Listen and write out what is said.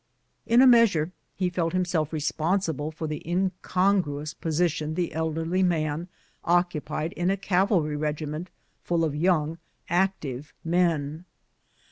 In a measure he felt himself responsible for the incongruous position the elderly man occupied in a cavalry regiment full of young, active men.